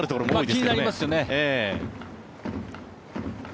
気になりますよね。